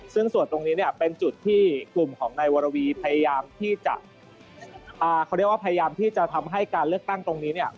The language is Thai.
ซึ่งส่วนตรงนี้เป็นจุดที่กลุ่มของนายวรวีพยามจะทำให้การเลือกตั้งตรงนี้